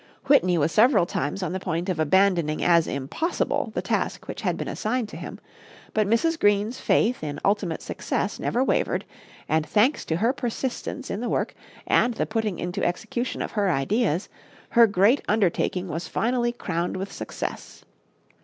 Whitney was several times on the point of abandoning as impossible the task which had been assigned to him, but Mrs. Greene's faith in ultimate success never wavered, and, thanks to her persistence in the work and the putting into execution of her ideas, her great undertaking was finally crowned with success.